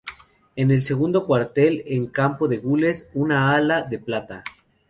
En el segundo cuartel, en campo de gules un ala de plata.